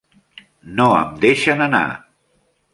No em deixen anar!